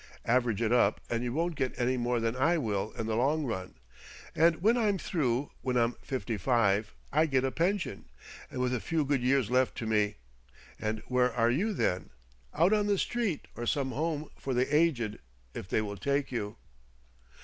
Average it up and you won't get any more than I will in the long run. And when I'm through, when I'm fifty five, I get a pension, and with a few good years left to me. And where are you then? Out on the street or some home for the aged if they will take you.